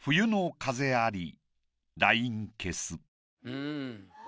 うん。